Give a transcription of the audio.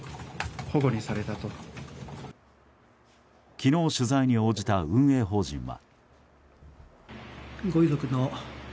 昨日、取材に応じた運営法人は。